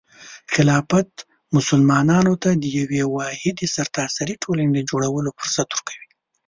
خلافت مسلمانانو ته د یوې واحدې سرتاسري ټولنې د جوړولو فرصت ورکوي.